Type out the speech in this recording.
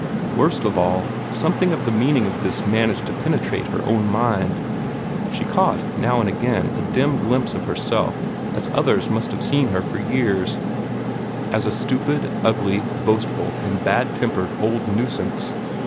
Worst of all, something of the meaning of this managed to penetrate her own mind. She caught now and again a dim glimpse of herself as others must have been seeing her for years as a stupid, ugly, boastful, and bad tempered old nuisance.